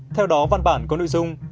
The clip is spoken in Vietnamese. theo đó văn bản có nội dung